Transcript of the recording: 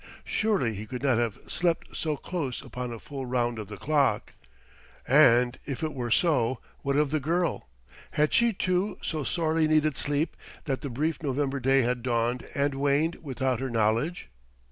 surely he could not have slept so close upon a full round of the clock! And if it were so, what of the girl? Had she, too, so sorely needed sleep that the brief November day had dawned and waned without her knowledge?